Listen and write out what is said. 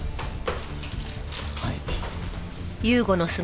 はい。